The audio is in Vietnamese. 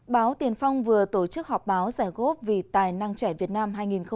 báo tiền phong vừa tổ chức họp báo giải góp vì tài năng trẻ việt nam hai nghìn một mươi chín